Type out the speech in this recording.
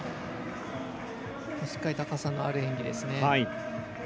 しっかり高さのある演技ですね。